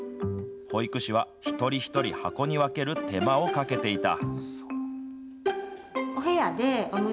保育士は一人一人箱に分ける手間をかけていた。